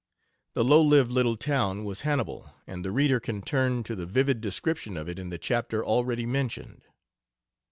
The "low lived little town" was Hannibal, and the reader can turn to the vivid description of it in the chapter already mentioned.